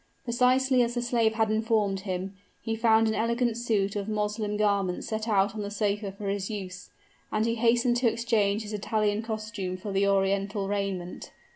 Precisely as the slave had informed him, he found an elegant suit of Moslem garments set out on the sofa for his use; and he hastened to exchange his Italian costume for the Oriental raiment.